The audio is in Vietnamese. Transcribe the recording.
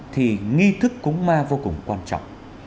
thì nghi thức cúng ma vô cùng quan trọng